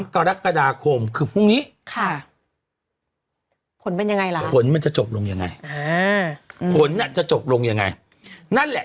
กรกฎาคมคือพรุ่งนี้